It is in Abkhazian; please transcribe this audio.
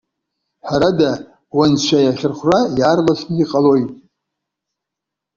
Ҳәарада, унцәа иахьырхәра иаарласны иҟалоит.